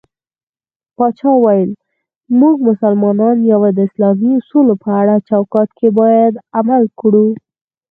پاچا وويل: موږ مسلمانان يو د اسلامي اصولو په چوکات کې بايد عمل وکړو.